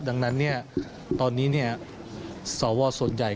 ดังนั้นตอนนี้สวส่วนใหญ่